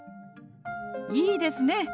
いいですね。